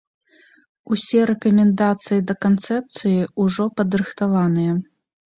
Усе рэкамендацыі да канцэпцыі ўжо падрыхтаваныя.